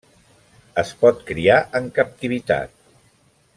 Es pot criar en captivitat.